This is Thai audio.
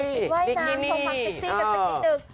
ต้องใส่ว่ายน้ำความเซ็กซี่กันสักนิดหนึ่ง